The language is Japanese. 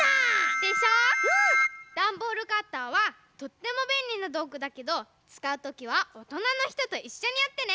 ダンボールカッターはとってもべんりなどうぐだけどつかうときはおとなのひとといっしょにやってね！